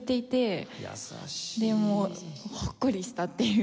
優しい！でほっこりしたっていう。